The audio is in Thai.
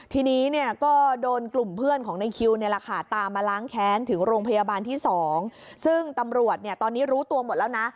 ทีนี้เนี่ยก็โดนกลุ่มเพื่อนของในคิวเนี่ยแหละค่ะตามมาล้างแค้นถึงโรงพยาบาลที่๒ซึ่งตำรวจเนี่ยตอนนี้รู้ตัวหมดแล้วนะ